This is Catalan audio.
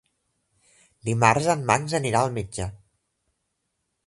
Dimarts en Max anirà al metge.